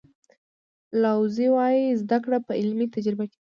لاوزي وایي زده کړه په عملي تجربه کې ده.